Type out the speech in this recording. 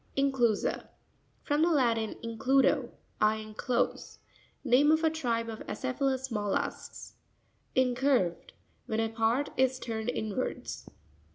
Incivu'sa.—From the Latin, includo, I enclose. Name of a tribe of acephalous mollusks. Incurv'Ep.—When a part is turned inwards.